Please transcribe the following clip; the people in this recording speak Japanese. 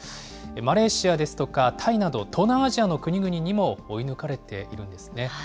マレーシアですとか、タイなど、東南アジアの国々にも追い抜かれているんですね。